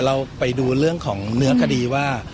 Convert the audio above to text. เราไปดูเรื่องของเนื้อคดีว่า